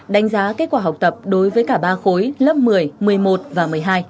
đánh giá kết quả học tập đối với cả ba khối lớp một mươi một mươi một và một mươi hai